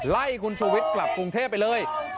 ไล่คุณชูวิทย์กลับกรุงเทพไปเลย